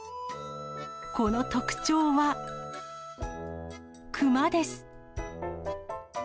この特徴は、熊です。